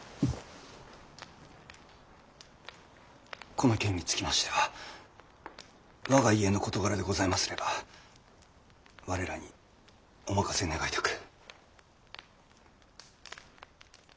この件につきましては我が家の事柄でございますれば我らにお任せ願いたく。